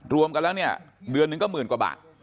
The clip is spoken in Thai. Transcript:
รวมกันแล้วเนี่ยเดือนหนึ่งก็หมื่นกว่าบาท